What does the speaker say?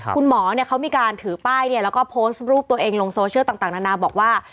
คุณหมอเขามีการถือป้ายแล้วก็โพสต์รูปตัวเองลงโซเชียลต่างนานาบอกว่า